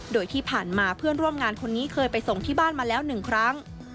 โดยที่ผ่านมาเพื่อนร่วมงานคนนี้เคยไปส่งที่บ้านมาแล้ว๑ครั้ง